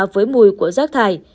với mùi của rác thải